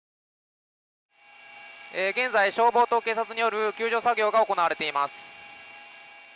現在、消防と警察による救助作業が行われています。